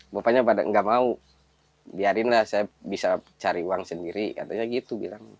bapaknya pada nggak mau biarin lah saya bisa cari uang sendiri katanya gitu bilang